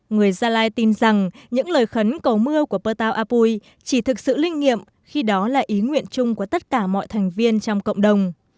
người gia lai tin rằng những lời khấn cầu mưa của patao apui chỉ thực sự linh nghiệm khi đó là ý nguyện chung của tất cả mọi thành viên trong cộng đồng